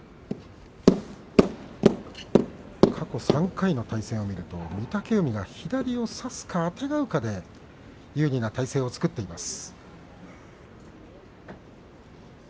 過去３回の対戦は御嶽海が左を差すかあてがうという形で有利な展開を作っています。